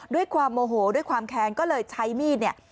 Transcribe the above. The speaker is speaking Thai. ด้วยความโมโหด้วยความแค้นก็เลยใช้มีดเนี่ย